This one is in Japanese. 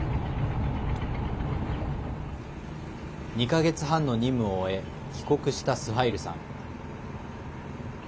２か月半の任務を終え帰国したスハイルさん。